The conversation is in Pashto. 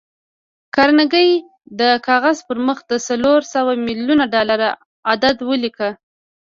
کارنګي د کاغذ پر مخ د څلور سوه ميليونه ډالر عدد وليکه.